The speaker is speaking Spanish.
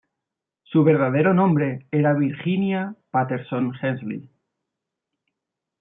Su verdadero nombre era Virginia Patterson Hensley.